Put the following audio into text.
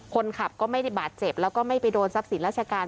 คนขับก็ไม่ได้บาดเจ็บแล้วก็ไม่ไปโดนทรัพย์สินราชการ